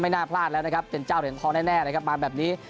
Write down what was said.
น่าพลาดแล้วนะครับเป็นเจ้าเหรียญทองแน่นะครับมาแบบนี้